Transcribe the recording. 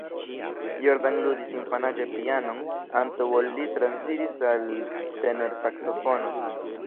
Jordan ludis infanaĝe pianon, antaŭ ol li transiris al tenorsaksofono.